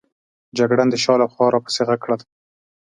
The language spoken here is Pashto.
جګړن د شا له خوا را پسې ږغ کړل.